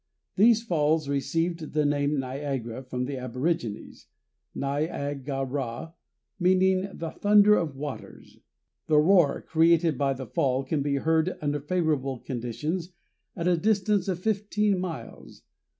These falls received the name Niagara from the aborigines, Ni a ga ra meaning the "thunder of waters." The roar created by the fall can be heard, under favorable conditions, at a distance of fifteen miles.